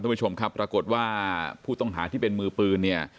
ผู้ชมครับปรากฏว่าผู้ต้องหาที่เป็นมือปืนเนี่ย